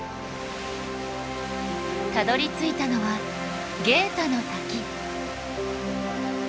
たどりついたのはゲータの滝。